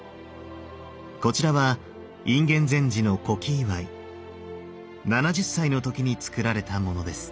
こちらは隠元禅師の古希祝い７０歳の時に造られたものです。